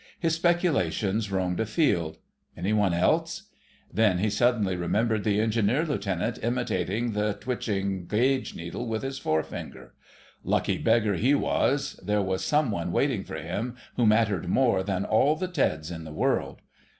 His speculations roamed afield. Any one else? Then he suddenly remembered the Engineer Lieutenant imitating the twitching gauge needle with his forefinger. Lucky beggar he was. There was some one waiting for him who mattered more than all the Teds in the world.